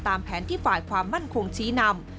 แผนที่ฝ่ายความมั่นคงชี้นำ